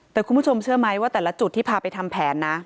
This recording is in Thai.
แต่คุณผู้ชมเชื่อไหมว่าแต่ละจุดที่พาไปทำแผนนะ